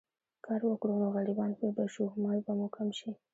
کار وکړو نو غريبان به شو، مال به مو کم شي